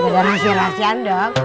bener rahasia rahasian dong